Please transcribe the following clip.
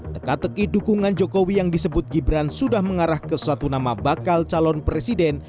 teka teki dukungan jokowi yang disebut gibran sudah mengarah ke suatu nama bakal calon presiden